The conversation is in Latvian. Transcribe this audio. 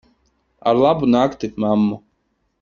Ar labu nakti, mammu.